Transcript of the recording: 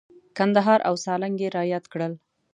کندهار او سالنګ یې را یاد کړل.